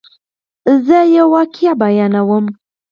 زه یوه واقعه بیانوم.